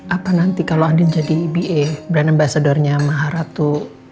apa nanti kalau andien jadi ba brand ambassador nya maharatu